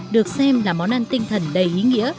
được xem là món ăn tinh thần đầy ý